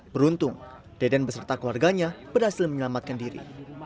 beruntung deden beserta keluarganya berhasil menyelamatkan diri